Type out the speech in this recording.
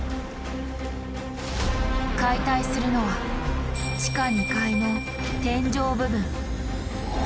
解体するのは地下２階の天井部分。